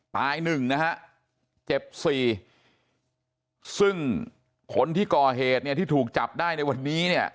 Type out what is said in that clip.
ตายหนึ่งนะฮะเจ็บสี่ซึ่งคนที่ก่อเหตุเนี่ยที่ถูกจับได้ในวันนี้เนี่ย